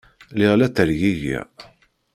Lliɣ la ttergigiɣ.